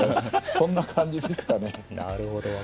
そんな感じでしたね。